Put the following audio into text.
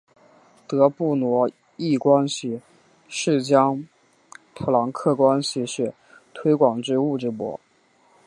德布罗意关系式将普朗克关系式推广至物质波。